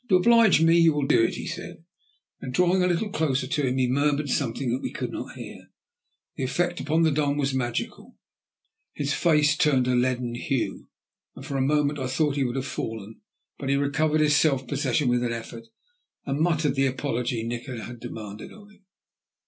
"To oblige me you will do it," he said, and then drawing a little closer to him he murmured something that we could not hear. The effect upon the Don was magical. His face turned a leaden hue, and for a moment I thought he would have fallen, but he recovered his self possession with an effort, and muttered the apology Nikola had demanded of him.